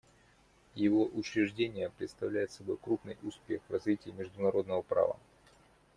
Его учреждение представляет собой крупный успех в развитии международного права.